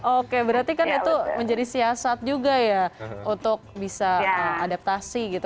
oke berarti kan itu menjadi siasat juga ya untuk bisa adaptasi gitu